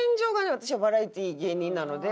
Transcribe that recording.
私はバラエティ芸人なので。